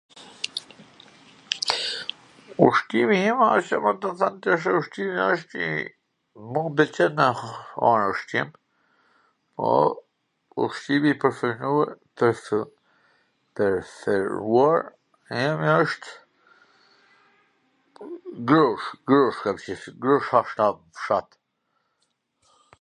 Ushqimi im asht... domthan atsh ushqimi asht... mu m pwlqen t ha ushqim, po ushqimi i preferu wshtw- preferuar imi wsht grosh, grosh kam qejf un, grosha hasha n fshat